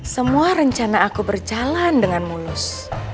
semua rencana aku berjalan dengan mulus